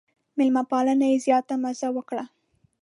مېلمه پالنې یې زیاته مزه وکړه.